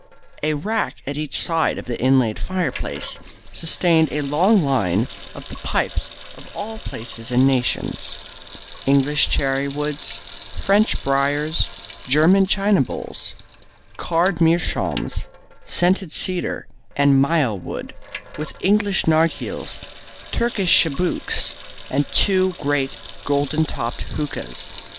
A rack at each side of the inlaid fireplace sustained a long line of the pipes of all places and nations English cherrywoods, French briars, German china bowls, carved meerschaums, scented cedar and myall wood, with Eastern narghiles, Turkish chibooques, and two great golden topped hookahs.